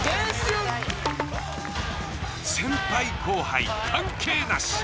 先輩後輩関係なし。